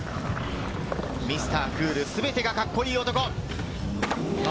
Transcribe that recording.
ミスタークール、全てがカッコいい男。